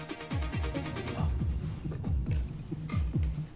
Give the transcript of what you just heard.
あっ。